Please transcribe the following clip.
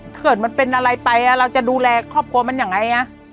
เกิดมันเป็นอะไรไปเราจะดูแลครอบครัวมันยังไง